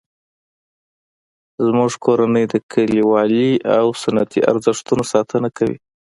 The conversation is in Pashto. زموږ کورنۍ د کلیوالي او سنتي ارزښتونو ساتنه کوي